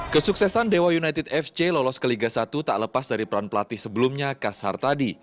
kesuksesan dewa united fc lolos ke liga satu tak lepas dari peran pelatih sebelumnya kasar tadi